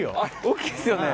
大っきいですよね。